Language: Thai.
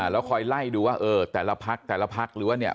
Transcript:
แล้วคอยไล่ดูว่าเออแต่ละพักแต่ละพักหรือว่าเนี่ย